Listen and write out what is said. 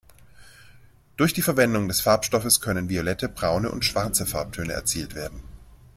Durch die Verwendung des Farbstoffes können violette, braune und schwarze Farbtöne erzielt werden.